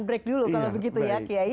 break dulu kalau begitu ya kiai